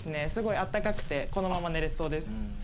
すごいあったかくてこのまま寝れそうです。